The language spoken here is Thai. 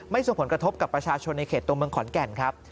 ส่งผลกระทบกับประชาชนในเขตตัวเมืองขอนแก่นครับ